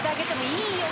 いいよ！